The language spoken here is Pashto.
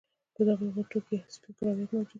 په دغه غوټو کې سپین کرویات موجود دي.